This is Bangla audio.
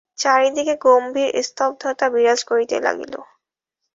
চারি দিকে গভীর স্তব্ধতা বিরাজ করিতে লাগিল।